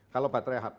kalau baterai hp